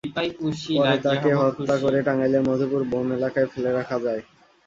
পরে তাঁকে হত্যা করে টাঙ্গাইলের মধুপুর বন এলাকায় ফেলে রেখে যায়।